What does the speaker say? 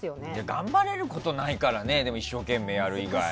頑張れることないからね一生懸命やる以外。